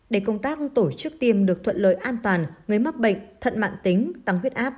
để công tác tổ chức tiêm được thuận lợi an toàn người mắc bệnh thận mạng tính tăng huyết áp